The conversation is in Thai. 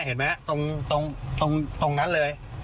เห็นไหมตรงนั้นเลย